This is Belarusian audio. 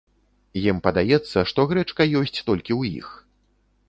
Ім падаецца, што грэчка ёсць толькі ў іх.